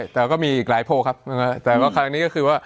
แต่ก็มีอีกหลายโพลครับแต่ว่าครั้งนี้ก็คือว่า